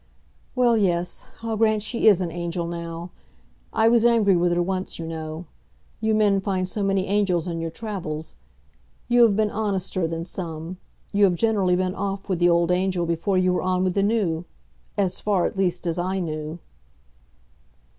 "Well, yes. I'll grant she is an angel now. I was angry with her once, you know. You men find so many angels in your travels. You have been honester than some. You have generally been off with the old angel before you were on with the new, as far at least as I knew."